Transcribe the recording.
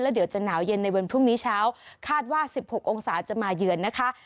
เดี๋ยวจะหนาวเย็นในวันพรุ่งนี้เช้าคาดว่า๑๖องศาจะมาเยือนนะคะ